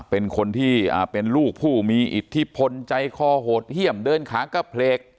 เป็นคนที่อ้าเป็นลูกผู้มีอิทธิพลใจข้อห่วงเหี่ยมเดินค้ากะเหลก